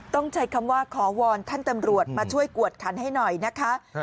ต้องใช้คำว่าขอวอนท่านตำรวจมาช่วยกวดขันให้หน่อยนะคะ